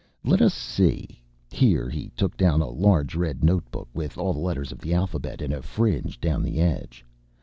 "Let us see!" Here he took down a large red notebook, with all the letters of the alphabet in a fringe down the edge.